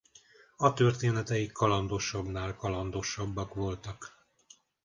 A történeteik kalandosabbnál-kalandosabbak voltak.